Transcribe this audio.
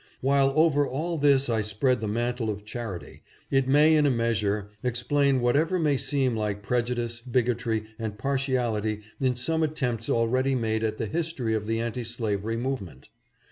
While over all this I spread the mantle of charity, it may in a measure ex plain whatever may seem like prejudice, bigotry and partiality in some attempts already made at the history of the anti slavery movement.